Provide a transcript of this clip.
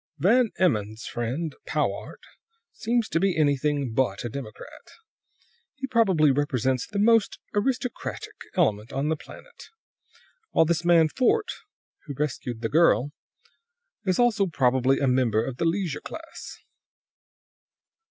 "Van Emmon's friend, Powart, seems to be anything but a democrat. He probably represents the most aristocratic element on the planet; while this man Fort, who rescued the girl, is also probably a member of the leisure class.